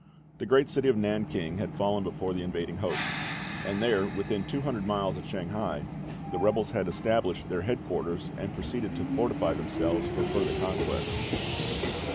The great city of Nan king had fallen before the invading host; and there, within two hundred miles of Shanghai, the rebels had established their headquarters, and proceeded to fortify themselves for further conquests.